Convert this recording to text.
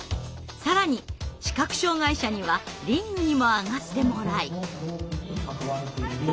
更に視覚障害者にはリングにも上がってもらい。